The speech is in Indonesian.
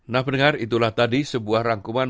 nah pendengar itulah tadi sebuah rangkuman